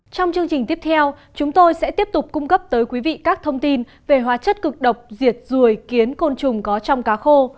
trong chương trình tiếp theo chúng tôi sẽ tiếp tục cung cấp tới quý vị các thông tin về hóa chất cực độc diệt ruồi kiến côn trùng có trong cá khô